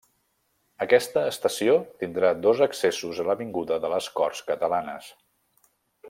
Aquesta estació tindrà dos accessos a l'avinguda de les Corts Catalanes.